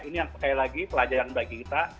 ini yang sekali lagi pelajaran bagi kita